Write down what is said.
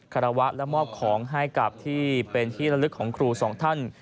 คารวะและมอบของให้กับที่เป็นที่ละลึกของครูสองท่าน